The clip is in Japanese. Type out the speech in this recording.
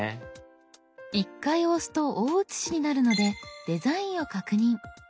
１回押すと大写しになるのでデザインを確認。